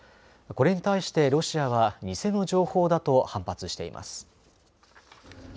これに対してロシアは偽の情報だと反発しています。